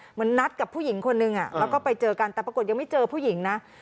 เหมือนนัดกับผู้หญิงคนนึงแล้วก็ไปเจอกันแต่ปรากฏยังไม่เจอผู้หญิงนะ